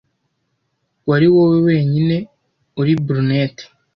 wari wowe wenyine uri brunette